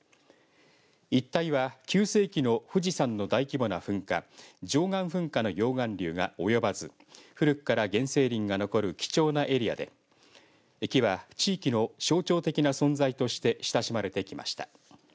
一帯は９世紀の富士山の大規模な噴火貞観噴火の溶岩流が及ばず古くから原生林が残る貴重なエリアで木は地域の象徴的な存在として親しまれてきました。